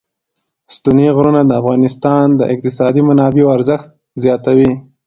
ستوني غرونه د افغانستان د اقتصادي منابعو ارزښت زیاتوي.